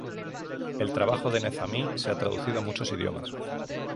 El trabajo de Nezamí se ha traducido a muchos idiomas.